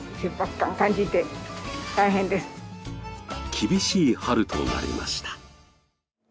厳しい春となりました。